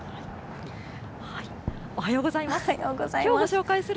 おはようございます。